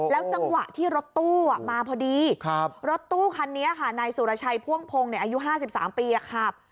จังหวะที่รถตู้มาพอดีรถตู้คันนี้ค่ะนายสุรชัยพ่วงพงศ์อายุ๕๓ปีขับ